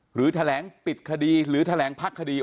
หรือแถลงปิดคดีหรือแถลงพักคดี